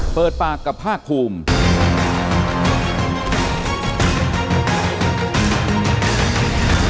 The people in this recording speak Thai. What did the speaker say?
เปิดปากกับภาคภูมิ